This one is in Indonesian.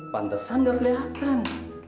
pantesan nggak kelihatan